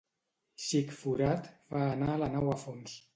Xic forat fa anar la nau a fons.